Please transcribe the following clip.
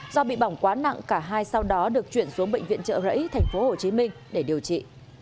do bị bỏng quá nặng cả hai sau đó được chuyển xuống bệnh viện trợ rẫy tp hcm để điều trị